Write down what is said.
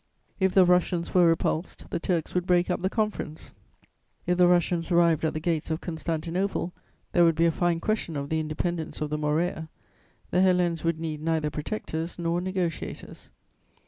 If the Russians were repulsed, the Turks would break up the conference; if the Russians arrived at the gates of Constantinople, there would be a fine question of the independence of the Morea! The Hellenes would need neither protectors nor negociators.